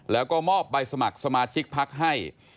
แล้วก็มอบใบสมัครสมาชิกพักให้